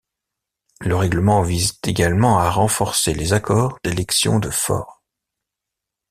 Le règlement vise également à renforcer les accords d’élection de for.